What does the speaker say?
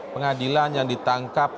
pengadilan yang ditangkap